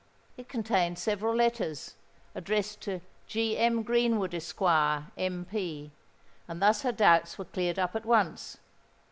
It contained several letters, addressed to "G. M. GREENWOOD, ESQ., M.P.;" and thus her doubts were cleared up at once.